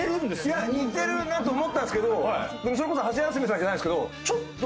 いや似てるなと思ったんですけどそれこそハシヤスメさんじゃないですけどちょっと。